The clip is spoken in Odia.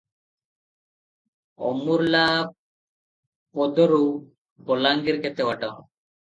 ଅମୁର୍ଲାପଦରରୁ ବଲାଙ୍ଗୀର କେତେ ବାଟ?